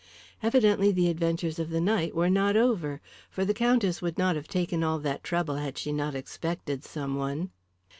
Evidently the adventures of the night were not over, for the Countess would not have taken all that trouble had she not expected some one.